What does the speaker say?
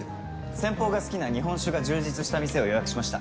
先方が好きな日本酒が充実した店を予約しました。